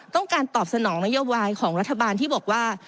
ต้องการตอบสนองนโยบายของรัฐบาลที่บอกว่า